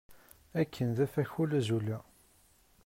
Akken d afakul azulal!